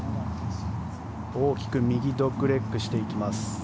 大きく右ドッグレッグしていきます。